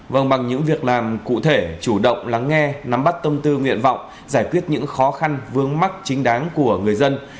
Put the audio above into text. vâng bằng những việc làm cụ thể chủ động lắng nghe nắm bắt tâm tư nguyện vọng giải quyết những khó khăn vướng mắt chính đáng của người dân